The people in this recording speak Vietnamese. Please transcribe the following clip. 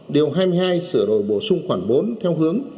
điều hai mươi hai sửa đổi bổ sung khoảng bốn theo hướng